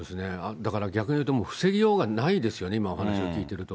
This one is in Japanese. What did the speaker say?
だから逆に言うと、もう防ぎようがないですよね、今、お話を聞いてると。